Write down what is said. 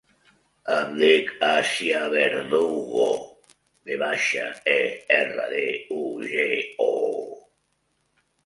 Em dic Assia Verdugo: ve baixa, e, erra, de, u, ge, o.